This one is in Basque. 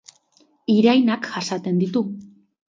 Irainak jasaten ditu.